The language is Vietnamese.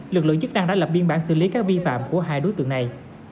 lực lượng chức năng đã lập biên bản xử lý các vi phạm của hai đối tượng này